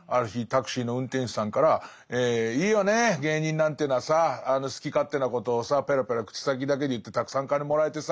タクシーの運転手さんから「いいよね芸人なんていうのはさ好き勝手なことをさペラペラ口先だけで言ってたくさん金もらえてさ」って言われて。